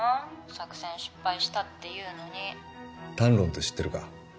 作戦失敗したっていうのにタンロンって知ってるか？